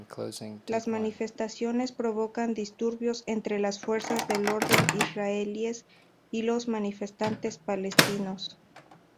Las manifestaciones provocan disturbios entre las fuerzas del orden israelíes y los manifestantes palestinos.